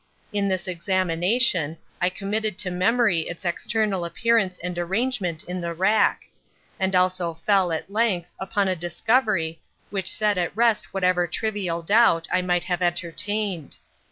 In this examination, I committed to memory its external appearance and arrangement in the rack; and also fell, at length, upon a discovery which set at rest whatever trivial doubt I might have entertained.